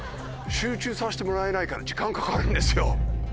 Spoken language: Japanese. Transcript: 集中させてもらえないから時間かかるんですよ。